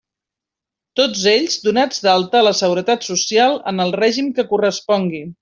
Tots ells donats d'alta a la Seguretat Social en el règim que correspongui.